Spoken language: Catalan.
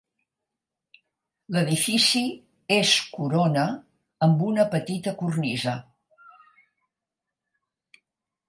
L'edifici és corona amb una petita cornisa.